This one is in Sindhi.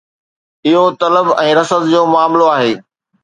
اهو طلب ۽ رسد جو معاملو آهي.